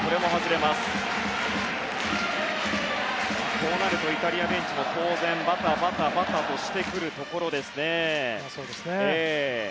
こうなるとイタリアベンチも当然バタバタとしてくるところですね。